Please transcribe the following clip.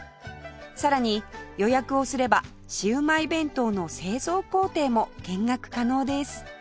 さらに予約をすればシウマイ弁当の製造工程も見学可能です